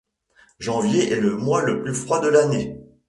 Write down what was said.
Janvier est le mois le plus froid de l'année.